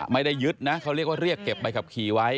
ไม่ได้ยึดนะเขาเรียกว่าเรียกเก็บใบขับขี่ไว้